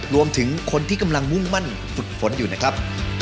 รวมถึงคนที่กำลังมุ่งมั่นฝึกฝนอยู่นะครับ